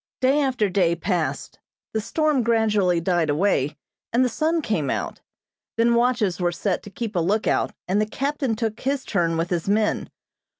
Day after day passed. The storm gradually died away, and the sun came out. Then watches were set to keep a lookout, and the captain took his turn with his men.